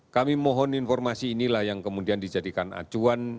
kami mohon informasi inilah yang kemudian dijadikan acuan